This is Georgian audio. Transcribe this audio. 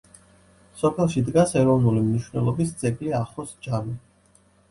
სოფელში დგას ეროვნული მნიშვნელობის ძეგლი ახოს ჯამე.